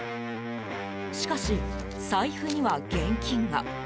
しかし、財布には現金が。